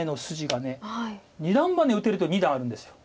二段バネ打てると二段あるんです。